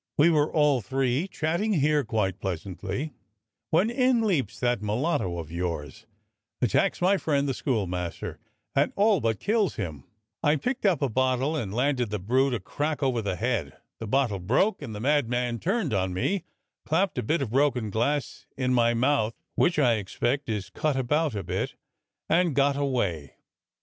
We were all three chatting here quite pleasantly, when in leaps that mulatto of yours, attacks my friend the schoolmaster and all but kills him. I picked up a bottle and landed the brute a crack over the head. The bottle broke, and the mad man turned on me, clapped a bit of broken glass in my mouth, which I expect is cut about a bit, and got away.